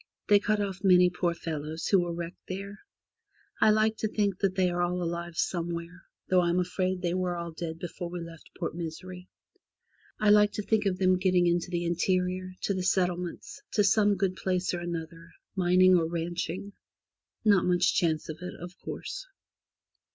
They cut off many poor fellows who were wrecked there. I like to think that they are all alive somewhere, though Vm afraid they were all dead before we left Port Misery. I like to think of them getting into the interior, to the settlements, to some good place or another, mining or ranching — not much chance of it, of course.